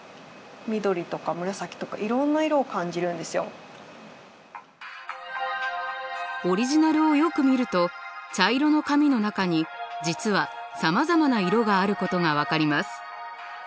例えばオリジナルをよく見ると茶色の髪の中に実はさまざまな色があることが分かります。